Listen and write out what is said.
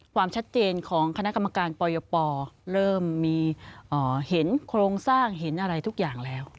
ความชัดเจนของคณะกรรมการปยปเริ่มมีเห็นโครงสร้างเห็นอะไรทุกอย่างแล้ว